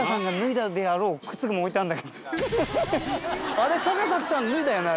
あれ坂田さん脱いだよね。